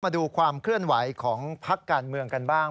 มาดูความเคลื่อนไหวของพักการเมืองกันบ้าง